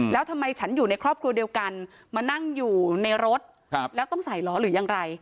แล้วทำไมฉันอยู่ในครอบครัวเดียวกันมานั่งอยู่ในรถแล้วต้องใส่ล้อหรือยังไร